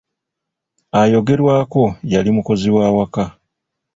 Ayogerwako yali mukozi wa waka.